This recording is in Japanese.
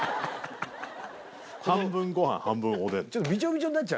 半分ご飯半分おでん。